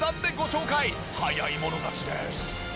早い者勝ちです！